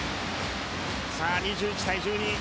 ２１対１２。